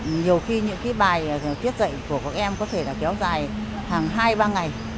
nhiều khi những bài kiếp dạy của các em có thể kéo dài hàng hai ba ngày